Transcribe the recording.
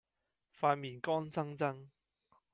塊面乾爭爭